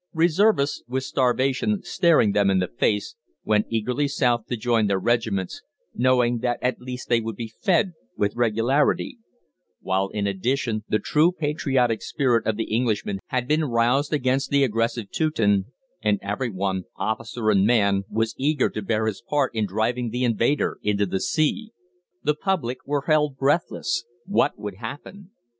Reservists, with starvation staring them in the face, went eagerly south to join their regiments, knowing that at least they would be fed with regularity; while, in addition, the true patriotic spirit of the Englishman had been roused against the aggressive Teuton, and everyone, officer and man, was eager to bear his part in driving the invader into the sea. The public were held breathless. What would happen?